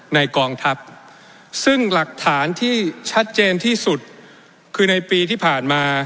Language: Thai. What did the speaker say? กองทัพซึ่งหลักฐานที่ชัดเจนที่สุดคือในปีที่ผ่านมา